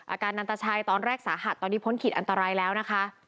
อันนันตชัยตอนแรกสาหัสตอนนี้พ้นขีดอันตรายแล้วนะคะ